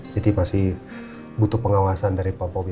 jadi masih butuh pengawasan dari pak bobi